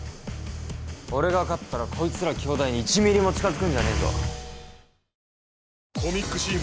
俺が勝ったらこいつらきょうだいに１ｍｍも近づくんじゃねえぞ。